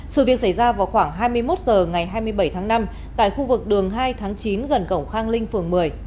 sự việc xảy ra vào khoảng hai mươi một h ngày hai mươi bảy tháng năm tại khu vực đường hai tháng chín gần cầu khang linh phường một mươi